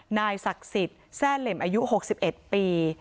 นายศักดิ์สิทธิ์แทร่เหล่มอายุ๖๑ปี